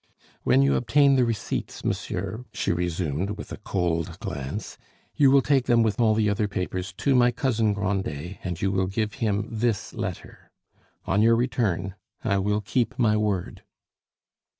"When you obtain the receipts, monsieur," she resumed, with a cold glance, "you will take them with all the other papers to my cousin Grandet, and you will give him this letter. On your return I will keep my word."